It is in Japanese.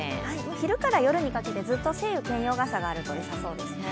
昼から夜にかけてずっと晴雨兼用傘があるとよさそうです。